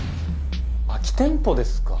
空き店舗ですか。